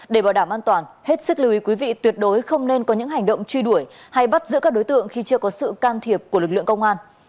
để bảo đảm an toàn hết sức lưu ý quý vị tuyệt đối không nên có những hành động truy đuổi hay bắt giữ các đối tượng khi chưa có sự can thiệp của lực lượng công an